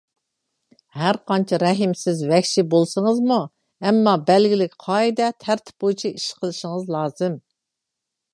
ھەر قانچە رەھىمسىز، ۋەھشىي بولسىڭىزمۇ، ئەمما بەلگىلىك قائىدە، تەرتىپ بويىچە ئىش قىلىشىڭىز لازىم.